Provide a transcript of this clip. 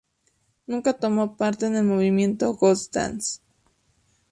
Nunca tomó parte en el movimiento Ghost Dance.